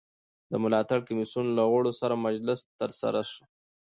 د ملاتړ کمېسیون له غړو سره مجلس ترسره سو.